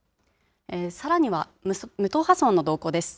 さらには、無党派層の動向です。